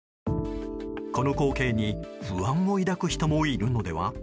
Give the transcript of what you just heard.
この光景に不安を抱く人もいるのでは？